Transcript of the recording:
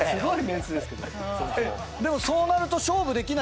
でもそうなると。